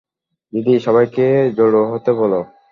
দিদি, সবাইকে জড়ো হতে বলো।